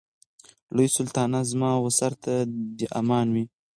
لوی سلطانه زما و سر ته دي امان وي